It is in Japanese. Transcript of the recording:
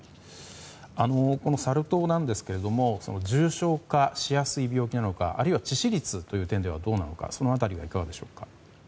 このサル痘なんですが重症化しやすい病気なのかあるいは致死率という点ではどうでしょうか。